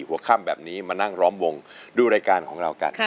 หัวค่ำแบบนี้มานั่งล้อมวงดูรายการของเรากัน